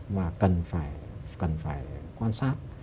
mà cần phải quan sát